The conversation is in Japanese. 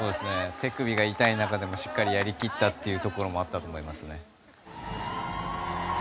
手首が痛い中でもしっかりやり切ったところもあったと思いますね。